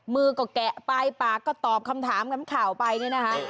มือก็แกะป้ายปากก็ตอบคำถามข่าวไปนะคะ